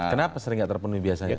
kenapa sering nggak terpenuhi biasanya